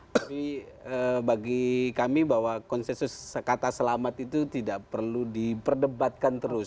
tapi bagi kami bahwa konsensus kata selamat itu tidak perlu diperdebatkan terus